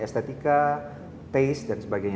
estetika taste dan sebagainya